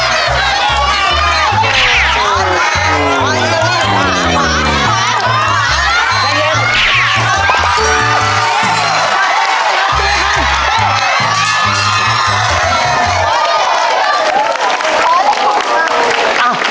ขอบคุณครับ